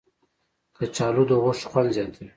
کچالو د غوښو خوند زیاتوي